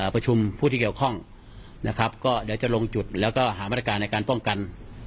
ประชุมผู้ที่เกี่ยวข้องนะครับก็เดี๋ยวจะลงจุดแล้วก็หามาตรการในการป้องกัน